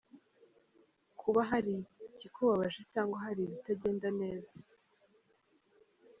Kuba hari ikikubabaje cyangwa hari ibitagenda neza.